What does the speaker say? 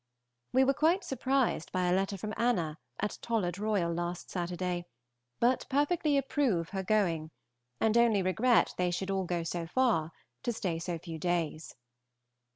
We were quite surprised by a letter from Anna at Tollard Royal, last Saturday; but perfectly approve her going, and only regret they should all go so far to stay so few days.